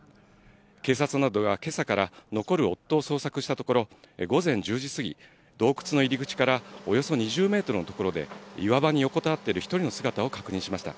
警察などがけさから残る夫を捜索したところ、午前１０時過ぎ、洞窟の入り口からおよそ２０メートルの所で岩場に横たわっている１人の姿を確認しました。